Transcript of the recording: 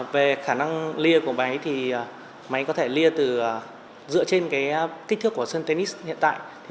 về khả năng lìa của máy thì máy có thể lìa dựa trên kích thước của sân tennis hiện tại